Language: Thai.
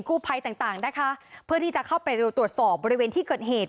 กู้ภัยต่างต่างนะคะเพื่อที่จะเข้าไปเร็วตรวจสอบบริเวณที่เกิดเหตุ